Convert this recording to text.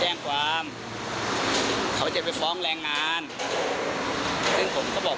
แต่ถ้าอยากจะตีเขาก็ไม่ได้อย่างนี้หรอก